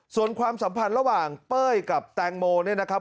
ส่วนความสัมพันธ์ระหว่างเป้ยกับแตงโมเนี่ยนะครับ